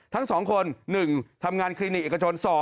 ทั้ง๒คน๑ทำงานคลินิกเอกชน๒